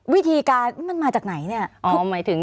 วิธีการมันมาจากไหนเนี่ย